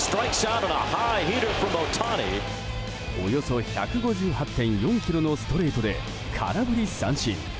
およそ１５８．４キロのストレートで空振り三振。